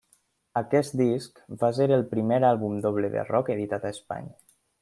Aquest disc va ser el primer àlbum doble de rock editat a Espanya.